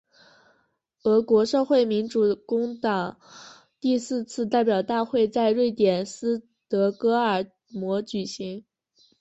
俄国社会民主工党第四次代表大会在瑞典斯德哥尔摩举行。